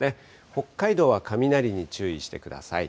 北海道は雷に注意してください。